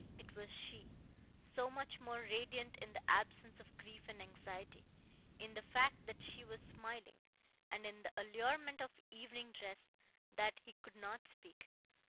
It was she: so much more radiant in the absence of grief and anxiety, in the fact that she was smiling, and in the allurement of evening dress, that he could not speak.